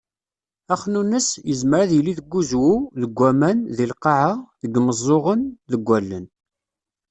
Axnunnes, yezmer ad yili deg uzwu, deg waman, deg lqaεa, deg yimeẓẓuɣen, deg wallen.